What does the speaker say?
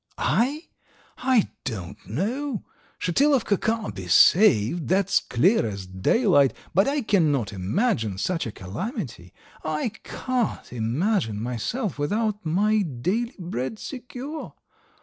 "I? I don't know! Shatilovka can't be saved, that's clear as daylight, but I cannot imagine such a calamity. I can't imagine myself without my daily bread secure.